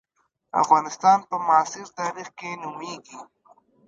افغانستان په معاصر تاریخ کې نومېږي.